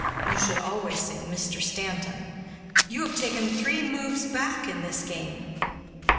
You should always say 'Mr. Stanton.' You have taken three moves back in this game."